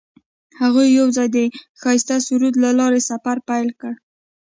هغوی یوځای د ښایسته سرود له لارې سفر پیل کړ.